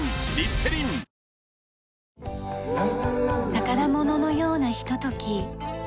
宝物のようなひととき。